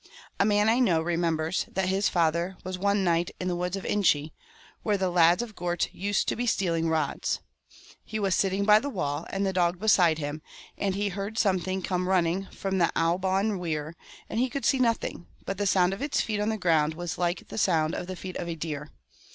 A man I know re members that his father was one night in the wood of Inchy, ' where the lads of Gort used to be stealing rods. He was sitting by the wall, and the dog beside him, and he heard something come running from Owbawn Weir, and he could see nothing, but the sound of its feet on the ground was like the sound of the feet of a deer.